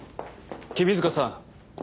君塚さん。